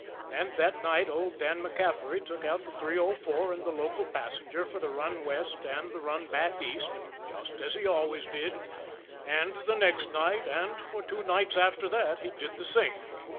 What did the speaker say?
And that night old Dan MacCaffery took out the 304 and the local passenger for the run west and the run back east just as he always did. And the next night, and for two nights after that he did the same.